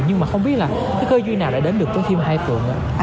nhưng mà không biết là cái cơ duy nào đã đến được với phim hai phượng ạ